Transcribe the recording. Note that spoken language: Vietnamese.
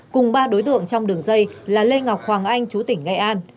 cùng ba đối tượng trong đường dây là lê ngọc hoàng anh trú tỉnh nghe an